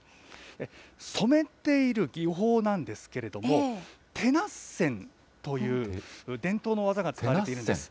染めている技法なんですけれども、手捺染という伝統の技が使われているんです。